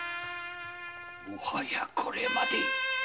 もはやこれまで。